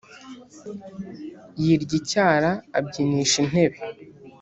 yirya icyara abyinisha intebe